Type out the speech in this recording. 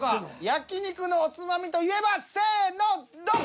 焼肉のおつまみといえばせのドン！